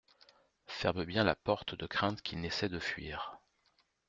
Ferme bien la porte de crainte qu’il n’essayent de fuir.